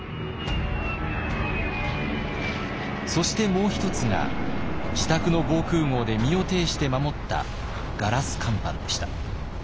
そしてもう一つが自宅の防空壕で身をていして守ったガラス乾板でした。